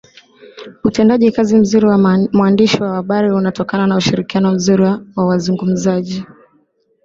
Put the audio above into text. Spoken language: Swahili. utendaji kazi mzuri wa mwandishi wa habari unatokana na ushirikiano mzuri wa wazungumzaji